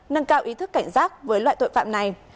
nâng cao ý thức cảnh giác với loại tội phạm này